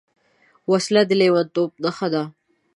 وسله د لېونتوب نښه ده